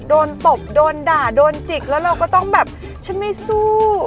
ตบโดนด่าโดนจิกแล้วเราก็ต้องแบบฉันไม่สู้